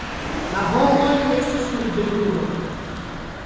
La homoj estis ribeluloj.